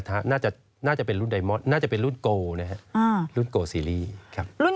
แต่น่าจะเป็นรุ่นโกว์โรงกลศีลีส์ครับ